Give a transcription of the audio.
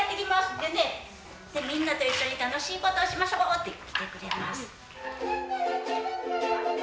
でねみんなと一緒に楽しいことをしましょうって来てくれます。